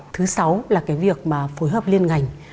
thứ sáu là cái việc mà phối hợp liên ngành